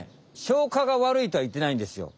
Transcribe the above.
消化がわるいとはいってないんですよ。